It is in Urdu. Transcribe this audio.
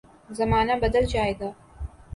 زمانہ بدل جائے گا۔